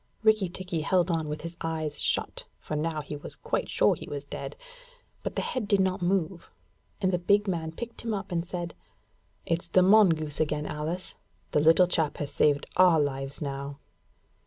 Rikki tikki held on with his eyes shut, for now he was quite sure he was dead; but the head did not move, and the big man picked him up and said: 'It's the mongoose again, Alice; the little chap has saved our lives now.'